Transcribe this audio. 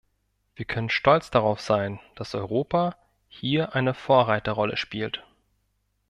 Wir können stolz darauf sein, dass Europa hier eine Vorreiterrolle spielt.